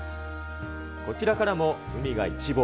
こちらからも海が一望。